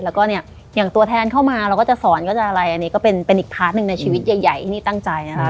แล้วก็เนี่ยอย่างตัวแทนเข้ามาเราก็จะสอนก็จะอะไรอันนี้ก็เป็นอีกพาร์ทหนึ่งในชีวิตใหญ่ที่นี่ตั้งใจนะคะ